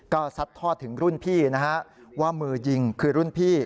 ก็ซัดทอดถึงรุ่นพี่นะฮะว่ามือยิงคือรุ่นพี่